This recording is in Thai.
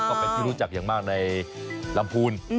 ก็เป็นที่รู้จักอย่างมากในลำพูน